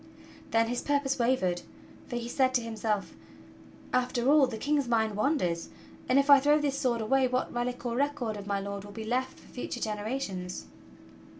Then his purpose wavered, for he said to himself: "After all, the King's mind wanders; and if I throw this sword away what relic or record of my Lord will be left for future genera tions?"